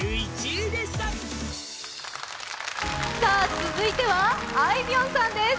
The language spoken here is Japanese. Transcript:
続いては、あいみょんさんです。